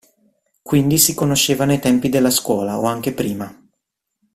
Quindi si conoscevano ai tempi della scuola o anche prima.